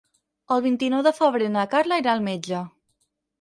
El vint-i-nou de febrer na Carla irà al metge.